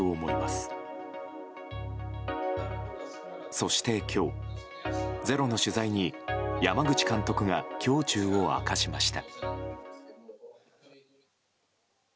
そして今日「ｚｅｒｏ」の取材に山口監督が胸中を明かしました。